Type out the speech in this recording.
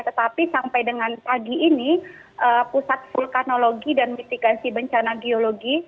tetapi sampai dengan pagi ini pusat vulkanologi dan mitigasi bencana geologi